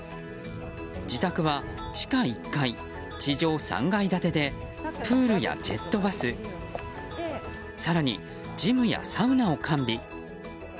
自宅は地下１階、地上３階建てでプールやジェットバス更にジムやサウナを完備。